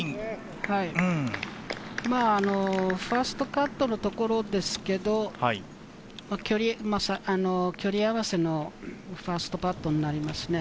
ファーストカットのところですけれど、距離合わせのファーストパットになりますね。